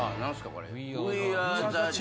これ。